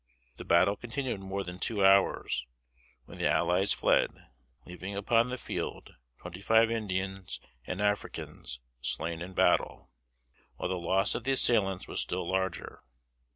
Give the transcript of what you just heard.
The battle continued more than two hours, when the allies fled, leaving upon the field twenty five Indians and Africans slain in battle; while the loss of the assailants was still larger.